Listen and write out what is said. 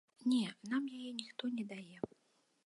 Не, нам яе ніхто не дае.